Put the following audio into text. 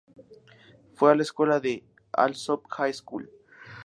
Fue a la escuela de Alsop High School.